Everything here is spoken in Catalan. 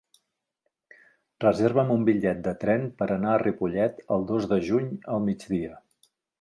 Reserva'm un bitllet de tren per anar a Ripollet el dos de juny al migdia.